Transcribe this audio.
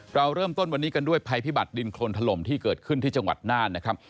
เราเริ่มต้นวันนี้กันด้วยภัยพิบัติดินโครนถล่มที่เกิดขึ้นที่จังหวัดน่านนะครับ